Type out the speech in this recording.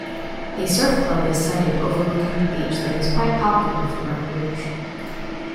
A surf club is sited overlooking the beach that is quite popular for recreation.